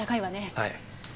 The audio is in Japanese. はい。